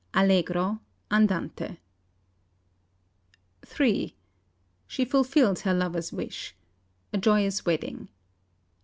"(Allegro; andante) III "She fulfils her lover's wish. A joyous wedding.